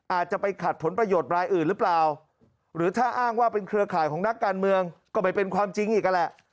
อาจจะไปขัดผลประโยชน์รายอื่นหรือเปล่าหรือถ้าอ้างว่าเป็นเครือข่ายของนักการเมืองก็ไม่เป็นความจริงอีกนั่นแหละ